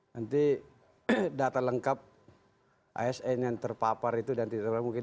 nanti data lengkap asn yang terpapar itu dan tidak terlalu mungkin